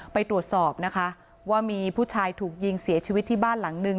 ไปตรวจสอบนะคะว่ามีผู้ชายถูกยิงเสียชีวิตที่บ้านหลังนึง